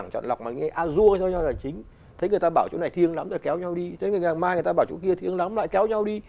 ngày mai người ta bảo chỗ kia thiêng lắm lại kéo nhau đi